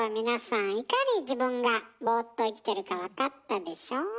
皆さんいかに自分がボーっと生きてるか分かったでしょ？